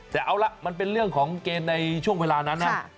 แต่เอาล่ะมันเป็นเรื่องของเกมในช่วงเวลานั้นนะ